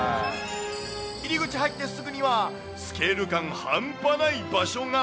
入り口入ってすぐには、スケール感半端ない場所が。